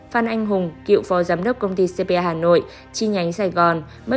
phan anh hùng kiệu phó giám đốc công ty cpa hà nội chi nhánh sài gòn